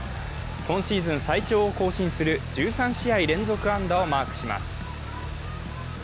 今シーズン最長を更新する１３試合連続安打をマークします。